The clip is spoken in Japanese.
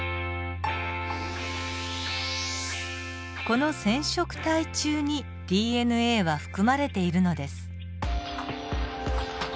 この染色体中にＤＮＡは含まれているのです。